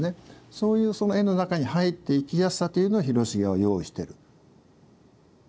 そういう絵の中に入っていきやすさというのを広重は用意してる。